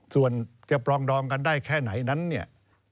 ส่วนจะปรองดองกันได้แค่ไหนนั้นเนี่ย